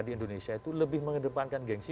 di indonesia itu lebih mengedepankan gengsi